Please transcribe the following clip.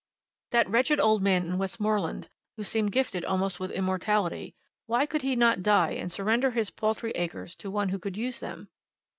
That wretched old man in Westmoreland, who seemed gifted almost with immortality, why could he not die and surrender his paltry acres to one who could use them?